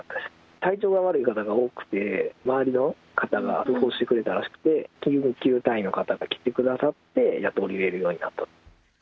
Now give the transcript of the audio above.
体調が悪い方が多くて、周りの方が通報してくれたらしくて、救急隊員の方が来てくださって、やっと降りれるようになった。